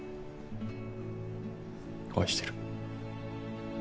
愛してる。